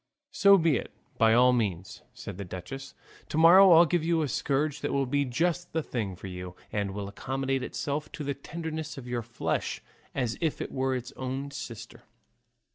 "So be it by all means," said the duchess; "to morrow I'll give you a scourge that will be just the thing for you, and will accommodate itself to the tenderness of your flesh, as if it was its own sister."